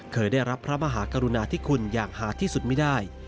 เคยได้รับพระมหากรุณาธิคุณอย่างหาที่สุดไม่ได้